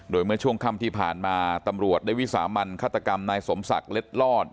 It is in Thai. โดยเมื่อช่วงค่ำที่ผ่านมาตำรวจได้วิสามันฆาตกรรมนายสมศักดิ์เล็ดลอด